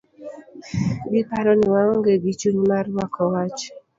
Giparo ni waonge gi chuny marwako wach.